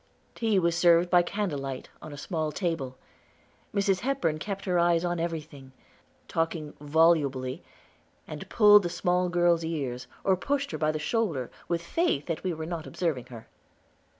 Tea was served by candlelight, on a small table. Mrs. Hepburn kept her eyes on everything, talking volubly, and pulled the small, girl's ears, or pushed her by the shoulder, with faith that we were not observing her.